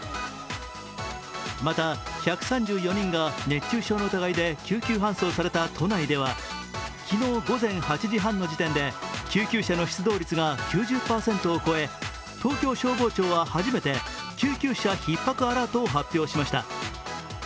また１３４人が熱中症の疑いで救急搬送された都内では昨日午前８時半の時点で救急車の出動率が９０％を超え東京消防庁は初めて救急車ひっ迫アラートを発表しました。